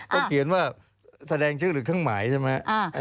เขาเขียนว่าแสดงชื่อหรือเครื่องหมายใช่ไหม